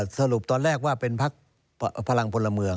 สรุปตอนแรกว่าเป็นพักพลังพลเมือง